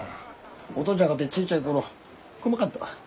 お父ちゃんかてちいちゃい頃こまかったわ。